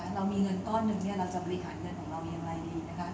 เรามีเงินก้อนหนึ่งเราจะบริหารเงินของเราอย่างไรดีนะคะ